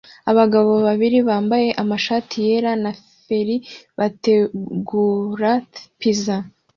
Abagabo babiri bambaye amashati yera na feri bategura pizza